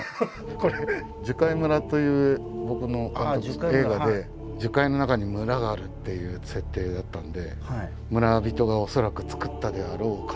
これ「樹海村」という僕の映画で樹海の中に村があるっていう設定だったんで村人が恐らく作ったであろう飾りが。